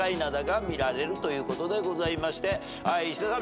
石田さん